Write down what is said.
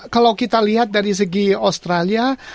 kalau kita lihat dari segi australia